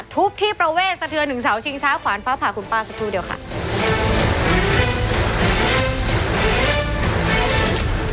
ทุบที่ประเวทสะเทือนถึงเสาชิงช้าขวานฟ้าผ่าคุณป้าสักครู่เดียวค่ะ